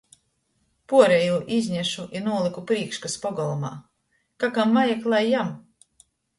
Puorejū iznešu i nūlyku prīškys pogolmā. Ka kam vajag, lai jem.